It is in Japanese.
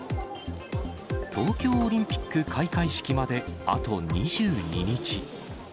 東京オリンピック開会式まであと２２日。